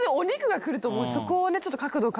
そこをね。